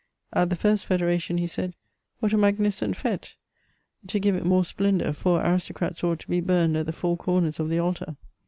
At the first Federation, he said, " What a magnificent f^te ! to give it more splendour, four aristocrats ought to be burned at the four comers of the altar."